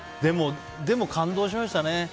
でも、感動しましたね。